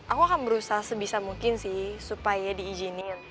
aku akan berusaha sebisa mungkin sih supaya diizinin